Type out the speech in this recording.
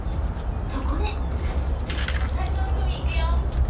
そこで最初の組いくよ